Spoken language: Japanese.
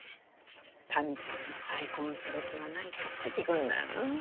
民ちゃんは再婚する気はないかって聞くんだあ。